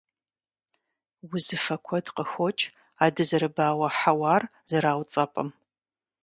Узыфэ куэд къыхокӀ а дызэрыбауэ хьэуар зэрауцӀэпӀым.